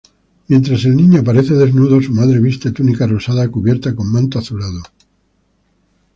Mientras el Niño aparece desnudo, su Madre viste túnica rosada, cubierta con manto azulado.